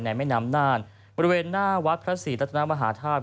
แม่น้ำน่านบริเวณหน้าวัดพระศรีรัตนมหาธาตุ